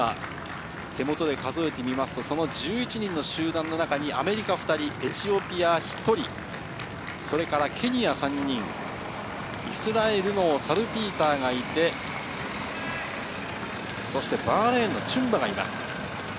手元で数えてみますと、その１１人の集団の中にアメリカ２人、エチオピア１人、それからケニア３人、イスラエルのサルピーターがいて、そしてバーレーンのチュンバがいます。